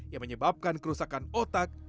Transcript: yang menyebabkan kerusakan otak